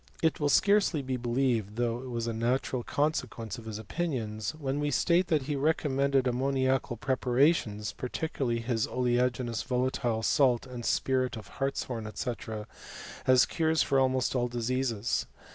It will scarcely btc believed, though it was a natural consequence of hit opinions, when we state that he recommended ammofi niacal preparations, particularly his oleaginous volatile salt, and spirit of hartshorn, &c., as cures for almoit aU diseases.